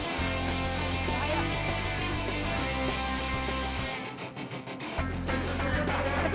jangan lagi yang k recip